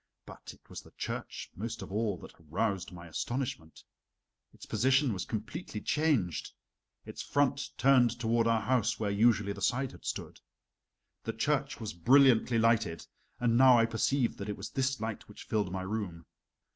But it was the church most of all that aroused my astonishment. Its position was completely changed. Its front turned toward our house where usually the side had stood. The church was brilliantly lighted, and now I perceived that it was this light which filled my room.